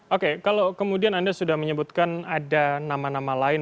oke kalau kemudian anda sudah menyebutkan ada nama nama lain